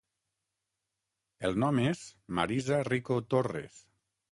El nom és Marisa Rico Torres.